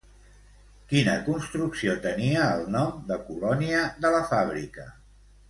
Quina construcció tenia el nom de Colònia de la Fàbrica?